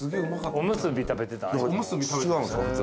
おむすび食べてました。